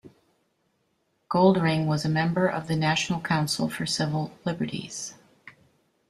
Goldring was a member of the National Council for Civil Liberties.